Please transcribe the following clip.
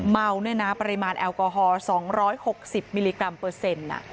เมาเนี่ยนะปริมาณแอลกอฮอล๒๖๐มิลลิกรัมเปอร์เซ็นต์